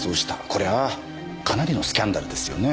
これはかなりのスキャンダルですよね。